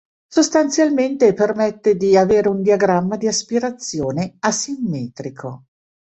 Sostanzialmente permette di avere un diagramma di aspirazione asimmetrico.